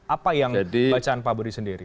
apa yang bacaan pak budi sendiri